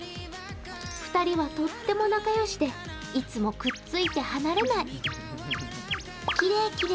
２人はとっても仲よしで、いつもくっついて離れない。